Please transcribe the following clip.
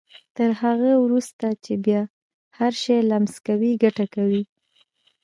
تر هغه وروسته چې بيا هر شی لمس کوئ ګټه کوي.